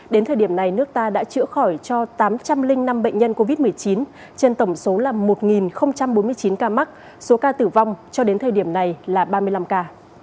đến thời điểm này nước ta đã chữa khỏi cho tám trăm linh năm bệnh nhân covid một mươi chín trên tổng số là một bốn mươi chín ca mắc số ca tử vong cho đến thời điểm này là ba mươi năm ca